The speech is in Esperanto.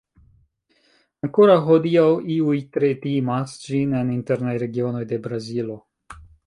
Ankoraŭ hodiaŭ, iuj tre timas ĝin en internaj regionoj de Brazilo.